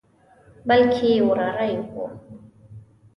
بلکې وراره یې وو.